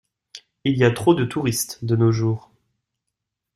Il y a trop de touristes de nos jours.